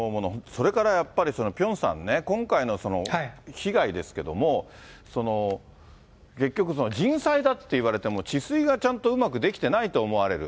それからやっぱり、ピョンさんね、今回の被害ですけども、結局、人災だっていわれても、治水がちゃんとうまくできてないと思われる。